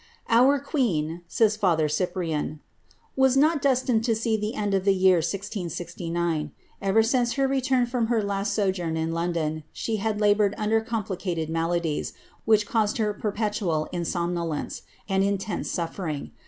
^^ Our queen," says father Cyprian, ^ was not destined to sec the end of the year 1600. Ever since her return from her last sojourn in Loo don, she had laboured under complicated maladies, which caused het perpetual insomuolcnce, and intense suffering.